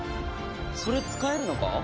それ使えるのか？